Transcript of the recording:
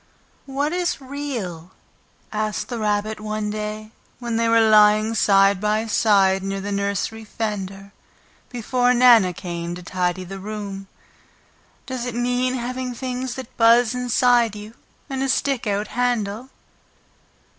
"What is REAL?" asked the Rabbit one day, when they were lying side by side near the nursery fender, before Nana came to tidy the room. "Does it mean having things that buzz inside you and a stick out handle?"